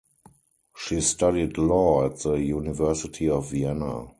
She studied law at the University of Vienna.